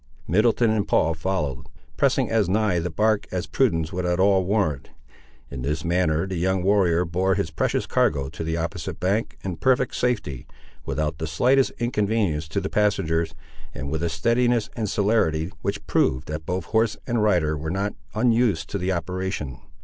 Middleton and Paul followed, pressing as nigh the bark as prudence would at all warrant. In this manner the young warrior bore his precious cargo to the opposite bank in perfect safety, without the slightest inconvenience to the passengers, and with a steadiness and celerity which proved that both horse and rider were not unused to the operation.